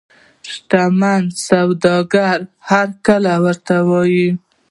شته منو سوداګرو هرکلی ورته ووایه.